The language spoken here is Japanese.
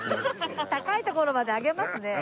高いところまで上げますね。